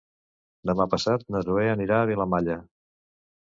Demà passat na Zoè anirà a Vilamalla.